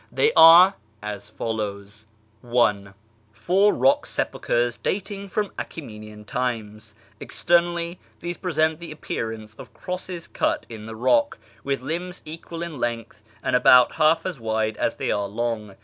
They are as follows :— (i) Four rock sepulchres dating from Achremenian times. Externally, these present the appearance of crosses cut in the rock, with limbs equal in length and about half as wide as they are long.